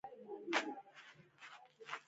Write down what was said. نجلۍ بې هوښه شوه او په ځمکه راولوېده